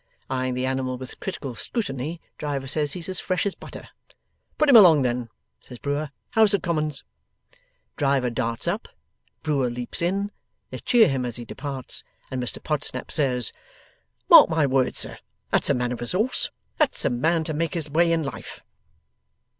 eyeing the animal with critical scrutiny. Driver says he's as fresh as butter. 'Put him along then,' says Brewer; 'House of Commons.' Driver darts up, Brewer leaps in, they cheer him as he departs, and Mr Podsnap says, 'Mark my words, sir. That's a man of resource; that's a man to make his way in life.